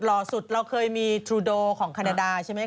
ล่าสุดเราเคยมีทรูโดของแคนาดาใช่ไหม